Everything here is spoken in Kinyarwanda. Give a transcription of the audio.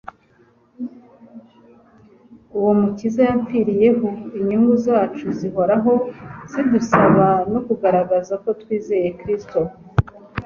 uwo Umukiza yapfiriyeho. Inyungu zacu zihoraho, zidusaba no kugaragaza ko twizeye Kristo.